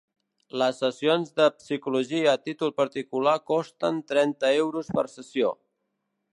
Les sessions de psicologia a títol particular costen trenta euros per sessió.